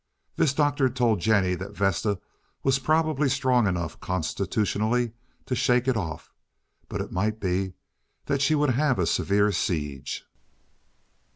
This doctor told Jennie that Vesta was probably strong enough constitutionally to shake it off, but it might be that she would have a severe siege.